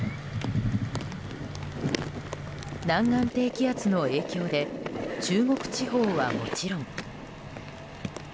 南岸低気圧の影響で中国地方はもちろん。